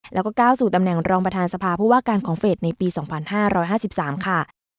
แล้วก็ก้าวสู่ตำแหน่งรองประธานสภาผู้ว่าการของเฟสในปี๒๕๕๓ค่ะ